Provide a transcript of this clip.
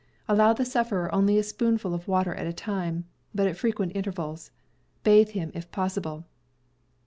Allow the sufferer only a spoonful of water at a time, but at frequent inter vals. Bathe him, if possible.